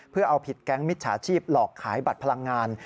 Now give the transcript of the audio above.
เพื่อเอาผิดแก๊งมิจฉาชีพหลอกขายบัตรพลังงาน